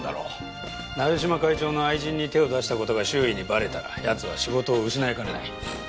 鍋島会長の愛人に手を出した事が周囲にばれたら奴は仕事を失いかねない。